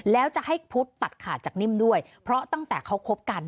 แล้วจะให้พุทธตัดขาดจากนิ่มด้วยเพราะตั้งแต่เขาคบกัน